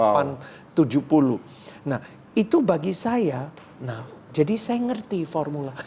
nah itu bagi saya jadi saya ngerti formula